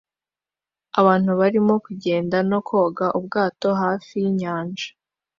Abantu barimo kugenda no koga ubwato hafi yinyanja